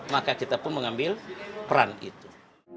maka kita pun mengambil peran itu